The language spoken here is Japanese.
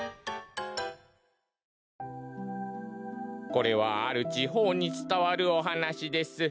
これはあるちほうにつたわるおはなしです。